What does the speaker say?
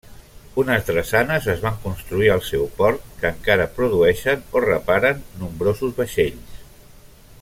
Unes drassanes es van construir al seu port que encara produeixen o reparen nombrosos vaixells.